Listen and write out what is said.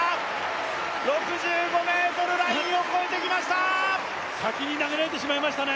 ６５ｍラインを越えてきました先に投げられてしまいましたね